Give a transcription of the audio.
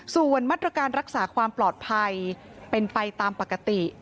ส่วนมาตรการรักษาความปลอดภัยเป็นไปตามปกติ